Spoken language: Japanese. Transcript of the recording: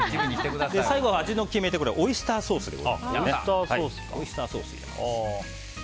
最後、味の決め手はオイスターソースにします。